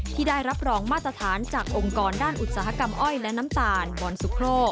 ที่ได้รับรองมาตรฐานจากองค์กรด้านอุตสาหกรรมอ้อยและน้ำตาลบอนสุโคร